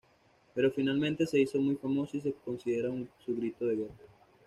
Pero finalmente se hizo muy famosa y se considera su grito de guerra.